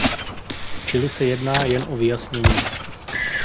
Čili se jedná jen o vyjasnění.